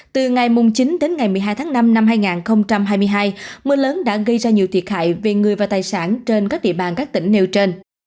từ ngày chín đến ngày một mươi hai tháng năm năm hai nghìn hai mươi hai mưa lớn đã gây ra nhiều thiệt hại về người và tài sản trên các địa bàn các tỉnh nêu trên